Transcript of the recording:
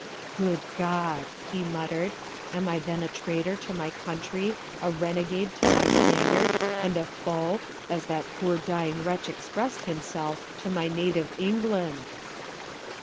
'Good God!' he muttered, 'am I then a traitor to my country, a renegade to my standard, and a foe, as that poor dying wretch expressed himself, to my native England!'